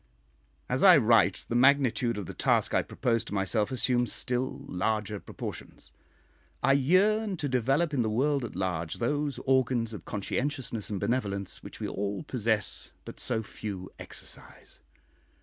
As I write, the magnitude of the task I propose to myself assumes still larger proportions. I yearn to develop in the world at large those organs of conscientiousness and benevolence which we all possess but so few exercise.